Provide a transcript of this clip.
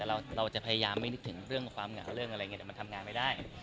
เราจะพยายามไม่นึกถึงเรื่องความเหงาเรื่องอะไรอย่างนี้แต่มันทำงานไม่ได้